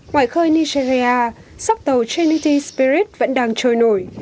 ngoài khơi nigeria sóc tàu trinity spirit vẫn đang trôi nổi